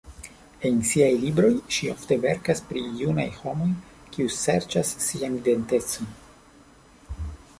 En siaj libroj ŝi ofte verkas pri junaj homoj, kiuj serĉas sian identecon.